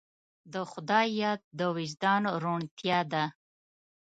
د خدای یاد د وجدان روڼتیا ده.